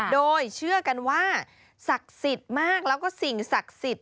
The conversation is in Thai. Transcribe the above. โดยเชื่อกันว่าศักดิ์สิทธิ์มากแล้วก็สิ่งศักดิ์สิทธิ